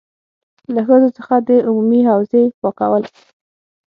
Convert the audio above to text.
له ښځو څخه د عمومي حوزې پاکول.